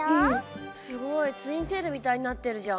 すごいツインテールみたいになってるじゃん。